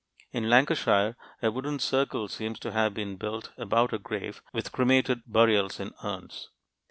In Lancashire, a wooden circle seems to have been built about a grave with cremated burials in urns.